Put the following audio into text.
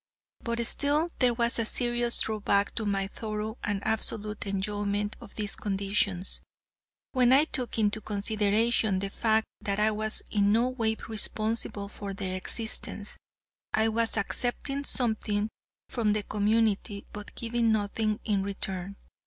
But still there was a serious drawback to my thorough and absolute enjoyment of these conditions, when I took into consideration the fact that I was in no way responsible for their existence. I was accepting something from the community, but giving nothing in return.